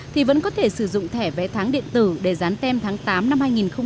thì vẫn có thể sử dụng thẻ vé tháng điện tử để dán tem tháng tám năm hai nghìn hai mươi